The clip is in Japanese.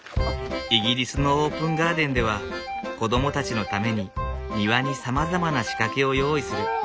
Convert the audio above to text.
イギリスのオープンガーデンでは子どもたちのために庭にさまざまな仕掛けを用意する。